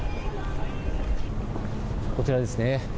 こちらですね。